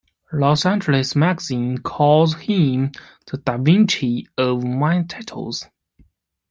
Los Angeles magazine calls him the "Da Vinci of main titles".